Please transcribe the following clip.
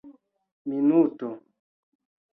minuto